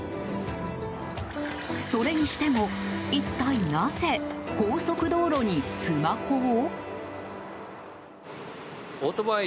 それにしても一体なぜ高速道路にスマホを？